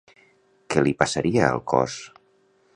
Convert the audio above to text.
Què li passaria al cos?